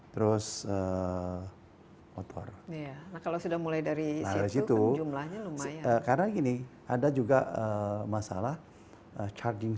terus motor kalau sudah mulai dari situ jumlahnya lumayan karena gini ada juga masalah charging